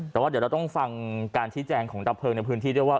แต่ว่าเดี๋ยวเราต้องฟังการชี้แจงของดับเพลิงในพื้นที่ด้วยว่า